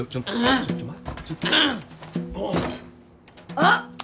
あっ！